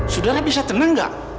sudara bisa tenang gak